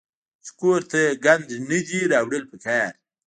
چې کور ته ګند نۀ دي راوړل پکار